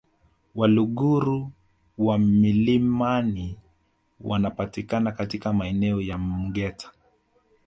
Waluguru wa milimani wanapatikana katika maeneo ya Mgeta